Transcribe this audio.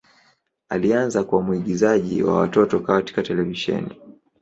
Alianza kama mwigizaji wa watoto katika televisheni.